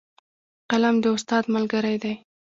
قلم د استاد ملګری دی